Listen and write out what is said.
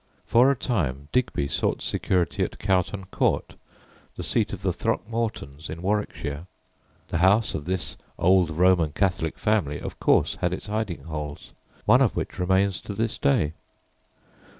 For a time Digby sought security at Coughton Court, the seat of the Throckmortons, in Warwickshire. The house of this old Roman Catholic family, of course, had its hiding holes, one of which remains to this day.